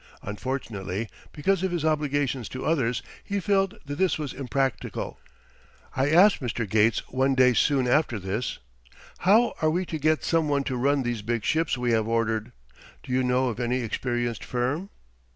Unfortunately, because of his obligations to others, he felt that this was impractical. I asked Mr. Gates one day soon after this: "How are we to get some one to run these big ships we have ordered? Do you know of any experienced firm?"